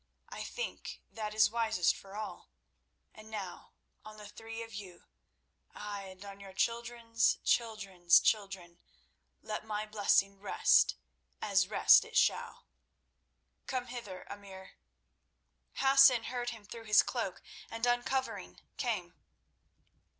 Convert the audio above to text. I think that is wisest for all. And now on the three of you—aye, and on your children's children's children—let my blessing rest, as rest it shall. Come hither, Emir." Hassan heard him through his cloak, and, uncovering, came.